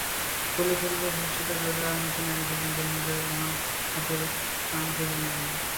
খুলে ফেলবো ভবিষ্যতের দরজা আর নতুন এক দিগন্তে নিয়ে যাবো মহান হোটেল ট্রান্সিল্ভানিয়াকে!